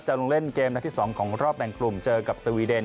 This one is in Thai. ลงเล่นเกมนัดที่๒ของรอบแบ่งกลุ่มเจอกับสวีเดน